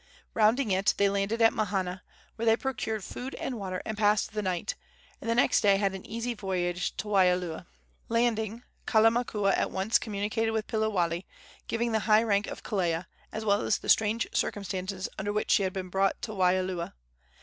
Rounding it, they landed at Mahana, where they procured food and water and passed the night, and the next day had an easy voyage to Waialua. Landing, Kalamakua at once communicated with Piliwale, giving the high rank of Kelea, as well as the strange circumstances under which she had been brought to Waialua.